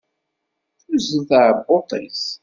Tuzzel tɛebbuḍt-is.